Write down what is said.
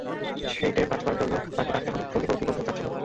সেইটে বাঁচাবার জন্যে তাঁকে ডাকতে হল, সন্দীপবাবু, কী বলতে চাচ্ছিলেন?